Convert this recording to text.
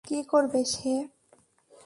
কী করবে সে?